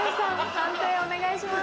判定お願いします。